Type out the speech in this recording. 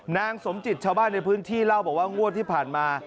นางสมจิตชาวบ้านในพื้นที่เล่าบอกว่างวดที่ผ่านมา